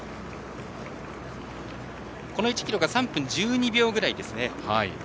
この１ｋｍが３分１２秒ぐらいです。